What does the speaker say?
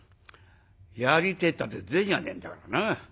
やりてえったって銭がねえんだからな。